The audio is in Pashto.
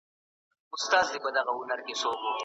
نو تر ډيره حده له طلاق څخه ځان ساتي.